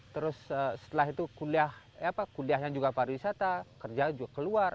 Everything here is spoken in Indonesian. terus setelah itu kuliahnya juga pariwisata kerja juga keluar